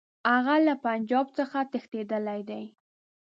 هغه له پنجاب څخه تښتېدلی دی.